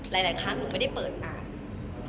แล้วก็ต้องได้เลือกอีกมากค่ะ